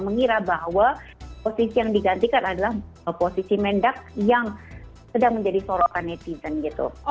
mengira bahwa posisi yang digantikan adalah posisi mendak yang sedang menjadi sorotan netizen gitu